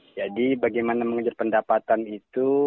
jadi bagaimana mengejar pendapatan itu